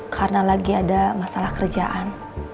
karena lagi ada masalah kerjaan